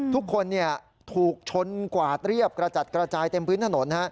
ทุกคนถูกชนกวาดเรียบกระจัดกระจายเต็มพื้นถนน